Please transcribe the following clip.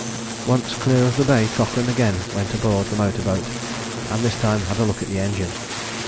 Once clear of the bay, Cochrane again went aboard the motor boat and this time had a look at the engine.